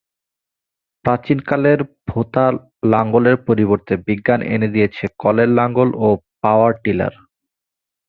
প্রাচীনকালের ভোতা লাঙ্গলের পরিবর্তে বিজ্ঞান এনে দিয়েছে কলের লাঙ্গল ও পাওয়ার টিলার।